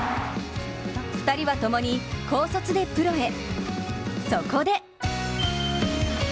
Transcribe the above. ２人は共に、高卒でプロへ。